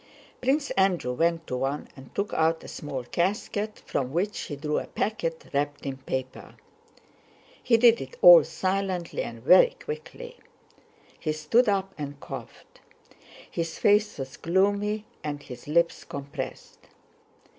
Prince Andrew went to one and took out a small casket, from which he drew a packet wrapped in paper. He did it all silently and very quickly. He stood up and coughed. His face was gloomy and his lips compressed.